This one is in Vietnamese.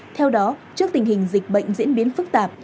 theo đó trước tình hình dịch bệnh diễn biến phức tạp